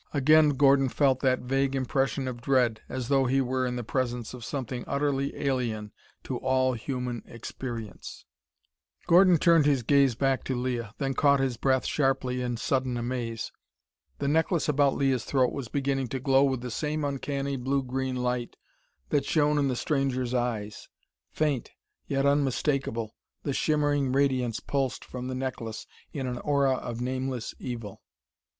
Again Gordon felt that vague impression of dread, as though he were in the presence of something utterly alien to all human experience. Gordon turned his gaze back to Leah, then caught his breath sharply in sudden amaze. The necklace about Leah's throat was beginning to glow with the same uncanny blue green light that shone in the stranger's eyes! Faint, yet unmistakable, the shimmering radiance pulsed from the necklace in an aura of nameless evil.